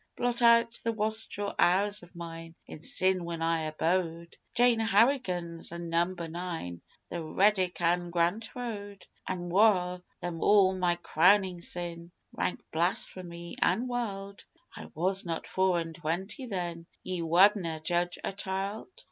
Blot out the wastrel hours of mine in sin when I abode Jane Harrigan's an' Number Nine, The Reddick an' Grant Road! An' waur than all my crownin' sin rank blasphemy an' wild. I was not four and twenty then Ye wadna' judge a child?